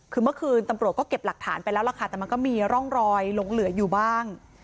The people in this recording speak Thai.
คือเมื่อคืนตำรวจก็เก็บหลักฐานไปแล้วล่ะค่ะแต่มันก็มีร่องรอยหลงเหลืออยู่บ้าง